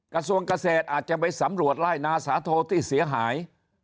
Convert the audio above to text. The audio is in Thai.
กระทรวงเกษตรอาจจะไปสำรวจไล่นาสาโทที่เสียหาย